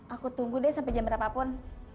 aku tunggu deh sampe jam berapa pun